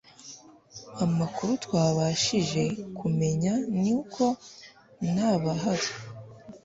amakuru twabashije kumenya ni uko ntabahari